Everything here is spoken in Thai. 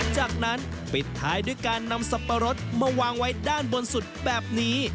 จากนั้นปิดท้ายด้วยการนำสับปะรดมาวางไว้ด้านบนสุดแบบนี้